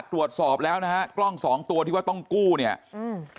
ตรวจสอบแล้วนะฮะกล้องสองตัวที่ว่าต้องกู้เนี่ยอืม